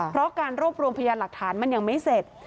เพราะการรวบรวมพยานหลักฐานมันยังไม่เสร็จ